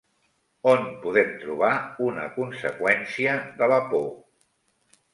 On podem trobar una conseqüència de la por?